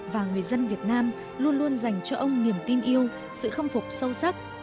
và người dân việt nam luôn luôn dành cho ông niềm tin yêu sự khâm phục sâu sắc